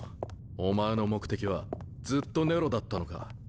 お前の目的はずっとネロだったのか？